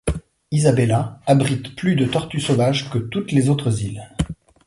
Isabela abrite plus de tortues sauvages que toutes les autres îles.